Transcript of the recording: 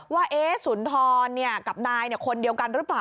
ว่าสุนทรกับนายคนเดียวกันหรือเปล่า